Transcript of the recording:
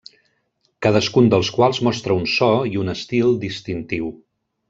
Cadascun dels quals mostra un so i un estil distintiu.